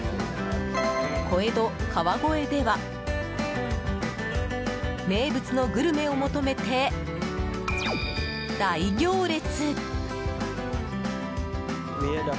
小江戸・川越では名物のグルメを求めて大行列！